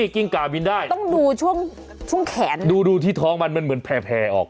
ตัวเฟ้ยเลยเออ